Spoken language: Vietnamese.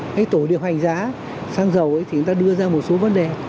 cái tổ điều hành giá xăng dầu thì chúng ta đưa ra một số vấn đề